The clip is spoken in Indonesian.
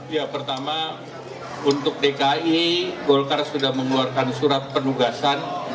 ya pertama untuk dki golkar sudah mengeluarkan surat penugasan